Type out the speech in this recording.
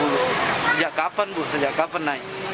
sejak kapan bu sejak kapan naik